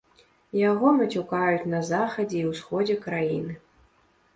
Яго мацюкаюць на захадзе і ўсходзе краіны.